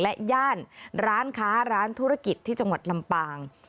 และย่านร้านค้าร้านธุรกิจที่จังหวัดลำปาง